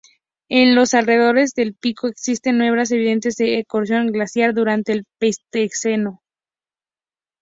En los alrededores del pico existen muestras evidentes de erosión glaciar durante el Pleistoceno.